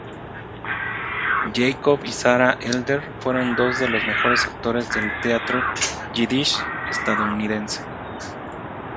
Jacob y Sara Adler fueron dos de los mejores actores del Teatro Yiddish estadounidense.